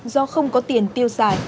do không có tiền tiêu xài